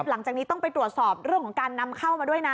หลังจากนี้ต้องไปตรวจสอบเรื่องของการนำเข้ามาด้วยนะ